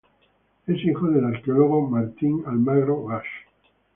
Es hijo del arqueólogo Martín Almagro Basch.